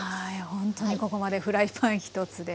ほんとにここまでフライパン一つで。